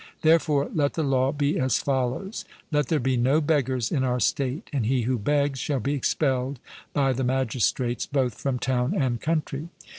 Therefore let the law be as follows: Let there be no beggars in our state; and he who begs shall be expelled by the magistrates both from town and country.